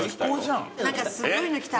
何かすごいの来た。